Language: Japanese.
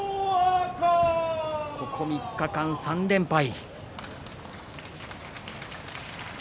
ここ３日間、３連敗。